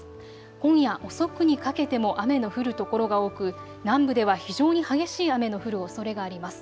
今夜遅くにかけても雨の降る所が多く南部では非常に激しい雨の降るおそれがあります。